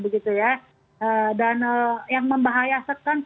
dan yang membahayakan